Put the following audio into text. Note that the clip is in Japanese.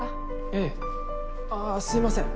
ええ。ああすいません。